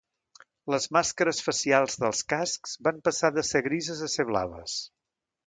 Les màscares facials dels cascs van passar de ser grises a ser blaves.